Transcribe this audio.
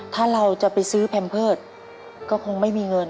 ถ้าเราจะไปซื้อแพมเพิร์ตก็คงไม่มีเงิน